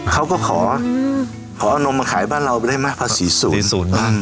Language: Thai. เขาก็ขอขอเอานมมาขายบ้านเราไปได้ไหมภาษีศูนย์สี่ศูนย์